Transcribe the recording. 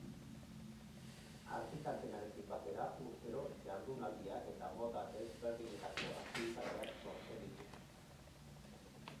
Argitalpenarekin batera urtero jardunaldiak eta mota desberdinetako aktibitateak sortzen ditu.